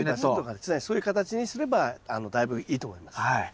そういう形にすればだいぶいいと思います。